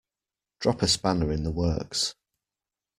Drop a spanner in the works